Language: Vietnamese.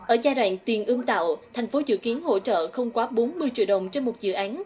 ở giai đoạn tiền ương tạo thành phố dự kiến hỗ trợ không quá bốn mươi triệu đồng trên một dự án